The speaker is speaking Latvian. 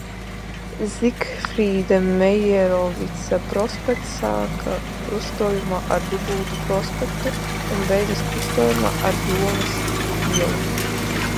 Zigfrīda Meierovica prospekts sākas krustojumā ar Dubultu prospektu un beidzas krustojumā ar Jomas ielu.